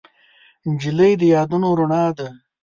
نجلۍ د یادونو رڼا ده.